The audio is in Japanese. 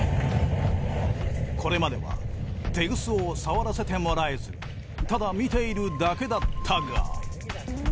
これまではテグスを触らせてもらえずただ見ているだけだったが。